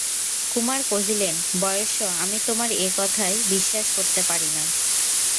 কুমার কহিলেন, বয়স্য আমি তোমার এ কথায় বিশ্বাস করিতে পারি না।